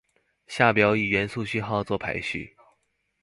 下表以元素符号作排序。